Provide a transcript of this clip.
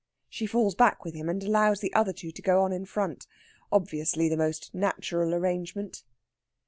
She falls back with him, and allows the other two to go on in front. Obviously the most natural arrangement.